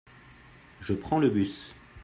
Je prends le bus.